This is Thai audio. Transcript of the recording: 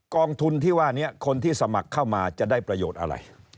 กองทุนที่ว่านี้คนที่สมัครเข้ามาจะได้ประโยชน์อะไร